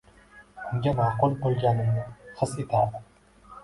Unga ma’qul bo’lganimni his etardim.